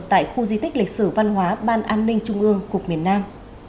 tại khu di tích lịch sử văn hóa ban an ninh trung ương cục miền nam